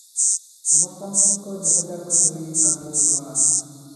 ସମସ୍ତଙ୍କ ଦେହଯାକ ଧୂଳି କାଦୁଅ ବୋଳା ।